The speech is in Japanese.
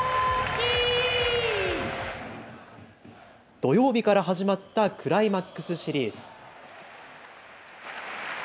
土曜日から始まったクライマックスシリーズ。